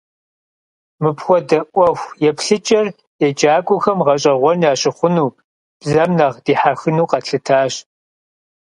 Мыпхуэдэ ӏуэху еплъыкӏэр еджакӀуэхэм гъэщӀэгъуэн ящыхъуну, бзэм нэхъ дихьэхыну къэтлъытащ.